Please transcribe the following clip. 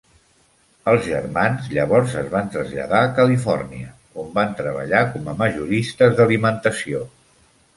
Els germans llavors es van traslladar a Califòrnia, on van treballar com a majoristes d'alimentació